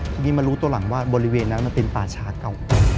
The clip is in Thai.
ทีนี้มารู้ตัวหลังว่าบริเวณนั้นมันเป็นป่าช้าเก่า